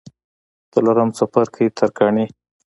څلورم څپرکی: ترکاڼي